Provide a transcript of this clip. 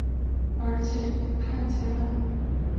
而且看起来主审是被美国队教练所说服才做出新判决的。